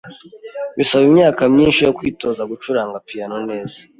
Bisaba imyaka myinshi yo kwitoza gucuranga piyano neza.